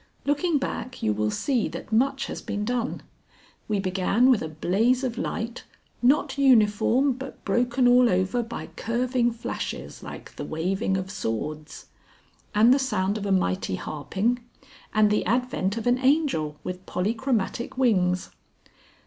Looking back you will see that much has been done; we began with a blaze of light "not uniform but broken all over by curving flashes like the waving of swords," and the sound of a mighty harping, and the advent of an Angel with polychromatic wings.